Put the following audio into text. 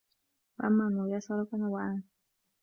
وَأَمَّا الْمُيَاسَرَةِ فَنَوْعَانِ